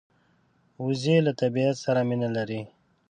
وزې له طبیعت سره مینه لري